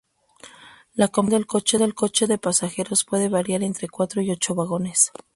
La composición del coche de pasajeros puede variar entre cuatro y ocho vagones.